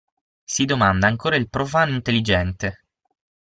Si domanda ancora il profano intelligente.